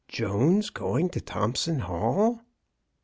Jones going to Thompson Hall